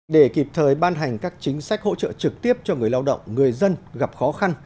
để kịp thời ban hành các chính sách hỗ trợ trực tiếp cho người lao động người dân gặp khó khăn